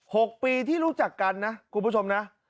หกปีที่รู้จักกันนะ